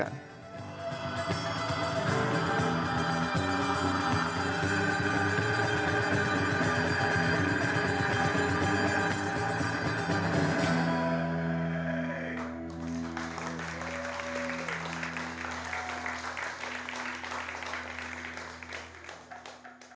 jap jap jap jap